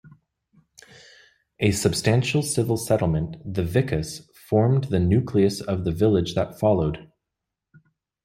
A substantial civil settlement, the "vicus", formed the nucleus of the village that followed.